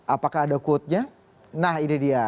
apakah ada quote nya nah ini dia